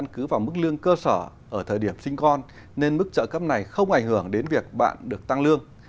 cứ vào mức lương cơ sở ở thời điểm sinh con nên mức trợ cấp này không ảnh hưởng đến việc bạn được tăng lương